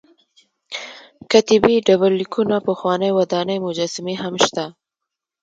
کتیبې ډبر لیکونه پخوانۍ ودانۍ مجسمې هم شته.